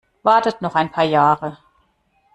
Wartet noch ein paar Jahre!